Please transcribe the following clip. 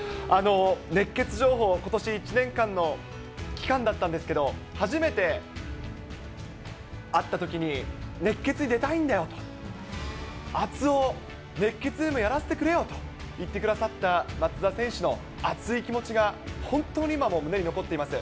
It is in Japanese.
熱ケツ情報、ことし９年間の期間だったんですけど、初めて会ったときに、熱ケツに出たいんだよと、熱男、熱ケツでもやらせてくれよと言ってくださった松田選手の熱い気持ちが、本当に今も胸に残っています。